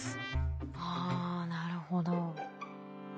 あなるほど。